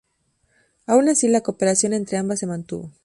Aún así, la cooperación entre ambas se mantuvo.